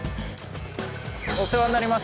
お世話になります。